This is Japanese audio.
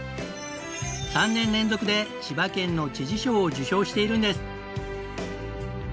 ３年連続で千葉県の知事賞を受賞しているんです。